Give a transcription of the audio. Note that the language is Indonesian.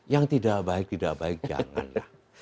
yang tidak baik tidak baik jangan lah